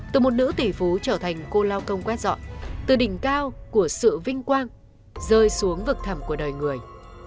từ một nữ tỷ phú trở thành cô lao công quét dọn từ đỉnh cao của sự vinh quang rơi xuống vực thẩm của đời người